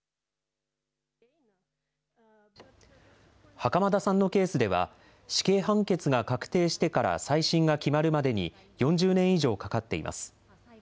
袴田さんのケースでは、死刑判決が確定してから再審が決まるまでに、４０年以上かかっています。